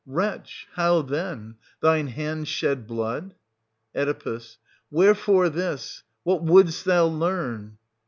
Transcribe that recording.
Wretch ! How then },, .thine hand shed blood h .. aftt, Oe. Wherefore this ? What wouldst thou learn